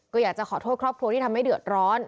ก็อยากจะขอโทษครอบครัวที่ทำให้เดือดร้อน